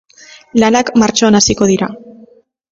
Lanak martxoan hasiko dira.